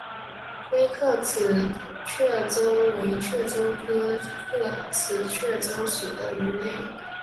灰刻齿雀鲷为雀鲷科刻齿雀鲷属的鱼类。